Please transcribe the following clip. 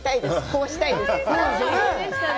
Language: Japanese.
こうしたいです。